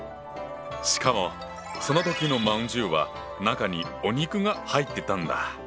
しかもその時の饅頭は中にお肉が入ってたんだ！